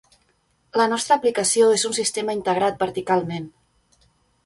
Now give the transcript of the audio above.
La nostra aplicació és un sistema integrat verticalment.